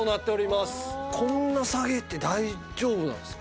こんな下げて大丈夫なんですか？